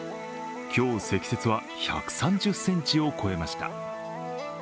今日、積雪は１３０ｃｍを超えました。